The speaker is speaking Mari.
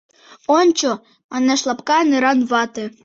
Ончо, — манеш лапка неран вате.